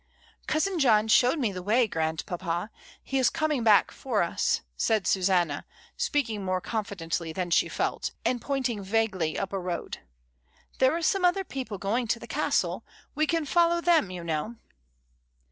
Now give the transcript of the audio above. "Cousin John showed me the way, grandpapa. He is coming back for us," said Susanna, speaking more confidently than she felt, and pointing vaguely up a road. "There are some other people going to the Castle; we can follow them, you know."